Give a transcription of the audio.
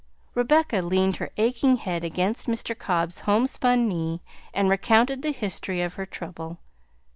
Rebecca leaned her aching head against Mr. Cobb's homespun knee and recounted the history of her trouble.